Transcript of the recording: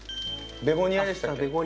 ベゴニアでしたっけ？